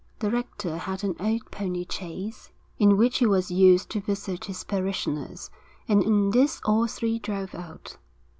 The rector had an old pony chaise, in which he was used to visit his parishioners, and in this all three drove out.